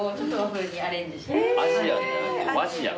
アジアンじゃなくて和ジアン。